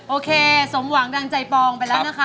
โอเคสมหวังดังใจปองไปแล้วนะคะ